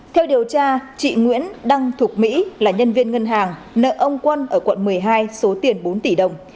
theo điều tra chị nguyễn đăng thục mỹ là nhân viên ngân hàng nợ ông quân ở quận một mươi hai số tiền bốn tỷ đồng